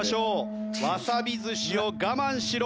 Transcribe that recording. わさび寿司を我慢しろ。